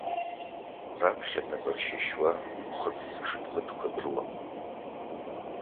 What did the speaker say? Раԥхьа, днапыршьышьуа аԥхыӡ ҽыҭмыҭқәа дрылан.